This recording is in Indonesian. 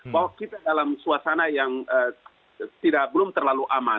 bahwa kita dalam suasana yang belum terlalu aman